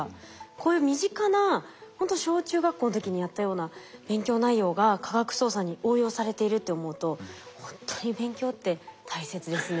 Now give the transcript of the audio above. こういう身近なほんと小中学校の時にやったような勉強内容が科学捜査に応用されているって思うとほんとに勉強って大切ですね。